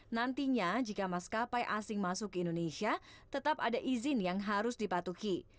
nantinya jika maskapai asing masuk ke indonesia tetap ada izin yang harus dipatuhi